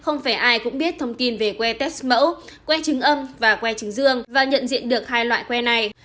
không phải ai cũng biết thông tin về que test mẫu que chứng âm và que chứng dương và nhận diện được hai loại que này